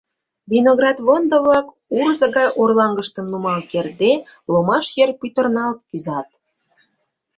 Виноградвондо-влак, урзо гай орлаҥгыштым нумал кертде, ломаш йыр пӱтырналт кӱзат.